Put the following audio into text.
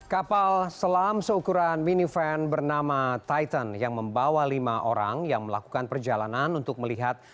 kapal selam seukuran minivan bernama titan yang membawa lima orang yang melakukan perjalanan untuk melihat